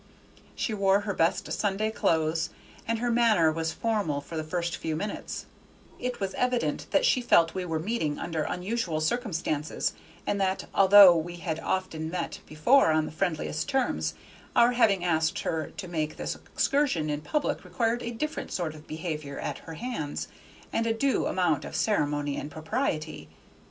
She wore her best Sunday clothes, and her manner was formal for the first few minutes; it was evident that she felt we were meeting under unusual circumstances, and that, although we had often met before on the friendliest terms, our having asked her to make this excursion in public required a different sort of behavior at her hands, and a due amount of ceremony and propriety.